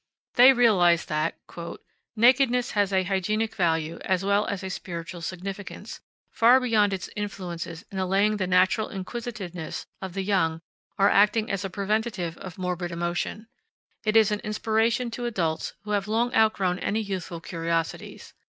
They realize that "nakedness has a hygienic value as well as a spiritual significance, far beyond its influences in allaying the natural inquisitiveness of the young or acting as a preventative of morbid emotion. It is an inspiration to adults who have long outgrown any youthful curiosities.